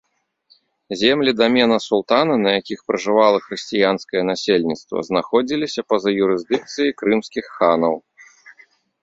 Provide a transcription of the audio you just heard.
Землі дамена султана, на якіх пражывала хрысціянскае насельніцтва, знаходзіліся па-за юрысдыкцыяй крымскіх ханаў.